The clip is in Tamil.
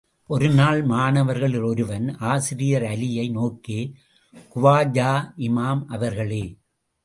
ஒருநாள் மாணவர்களில் ஒருவன் ஆசிரியர் அலியை நோக்கி, குவாஜா இமாம் அவர்களே!